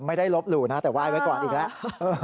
ไม่ได้ลบหลู่นะแต่ไหว้ไว้ก่อนอีกแล้ว